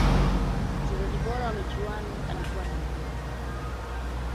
mchezaji bora wa michuano alikuwa ni mjeruman